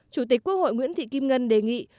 chủ tịch quốc hội nguyễn thị kim ngân đề nghị